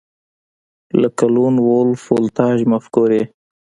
لکه لون وولف ولټاژ مفکورې